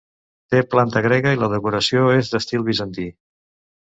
Té planta grega i la decoració és d'estil bizantí.